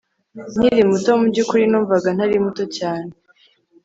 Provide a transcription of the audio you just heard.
nkiri muto, mubyukuri numvaga ntari muto cyane